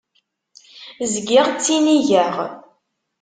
Zgiɣ ttinigeɣ.